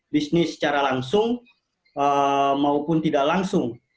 bisnis secara langsung maupun tidak langsung